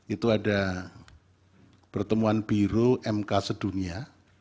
itu ada pertemuan biro mk sedunia